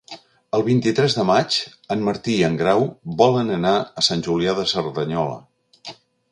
El vint-i-tres de maig en Martí i en Grau volen anar a Sant Julià de Cerdanyola.